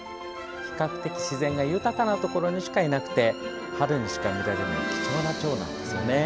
比較的自然が豊かなところにしかいなくて春にしか見られない貴重なチョウなんです。